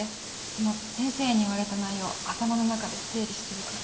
今先生に言われた内容頭の中で整理してるから。